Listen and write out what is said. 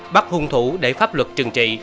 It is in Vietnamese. bắt hung thủ để pháp luật trừng trị